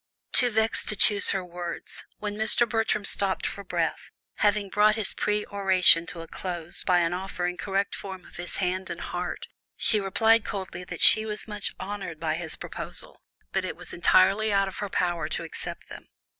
Too vexed to choose her words, when Mr. Bertram stopped for breath, having brought his peroration to a close by an offer in correct form of his hand and heart, she replied coldly that she was much honoured by his proposals, but it was entirely out of her power to accept them.